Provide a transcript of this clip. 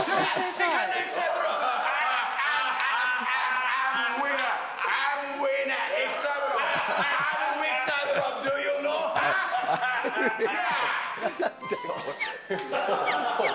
セカンドイクサブロウ！